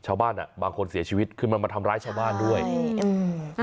ชาวบ้านอ่ะบางคนเสียชีวิตคือมันมาทำร้ายชาวบ้านด้วยนี่อืม